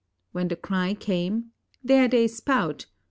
When the cry came, "There they spout!"